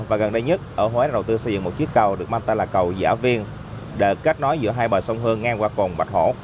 và gần đây nhất ở huế đầu tư xây dựng một chiếc cầu được mang tên là cầu giả viên để kết nối giữa hai bờ sông hương ngang qua cầu bạch hổ